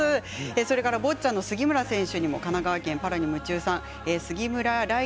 それからボッチャの杉村選手にも神奈川県の方からきています。